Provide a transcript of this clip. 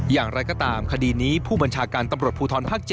อย่างไรก็ตามคดีนี้ผู้บัญชาการตำรวจภูทรภาค๗